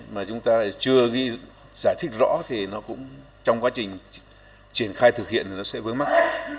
mà chúng ta chưa giải thích rõ thì nó cũng trong quá trình triển khai thực hiện nó sẽ vướng mắt